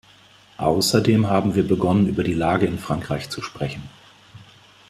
Außerdem haben wir begonnen, über die Lage in Frankreich zu sprechen.